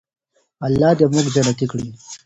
الله دې موږ جنتي کړي.